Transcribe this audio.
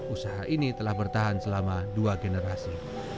usaha ini telah bertahan selama dua generasi